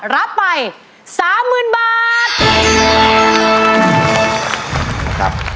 รับไป๓๐๐๐บาท